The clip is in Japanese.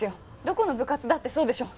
どこの部活だってそうでしょう。